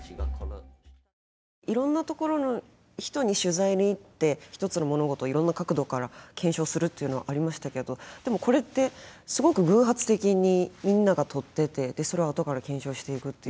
いろんな所の人に取材に行って一つの物事をいろんな角度から検証するっていうのはありましたけどでもこれってすごく偶発的にみんなが撮っててそれをあとから検証していくっていう。